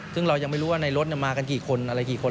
ซึ่งเรายังไม่รู้ว่าในรถมากันกี่คนอะไรกี่คน